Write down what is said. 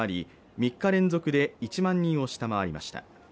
３日連続で１万人を下回りました。